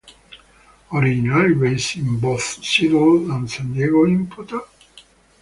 Originally based in both Seattle and San Diego, Imputor?